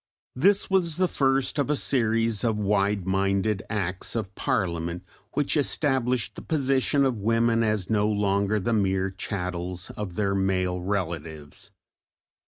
This was the first of a series of wide minded Acts of Parliament which established the position of women as no longer the mere chattels of their male relatives.